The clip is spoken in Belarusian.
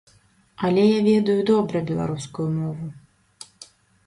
Але я ведаю добра беларускую мову.